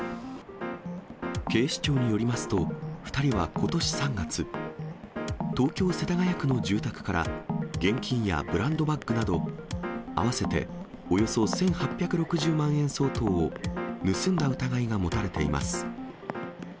警視庁によりますと、２人はことし３月、東京・世田谷区の住宅から現金やブランドバッグなど、合わせておよそ１８６０万円相当を盗んだ疑いが持たれています。